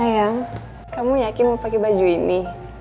sayang kamu yakin mau pakai baju ini